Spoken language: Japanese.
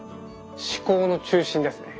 思考の中心ですね。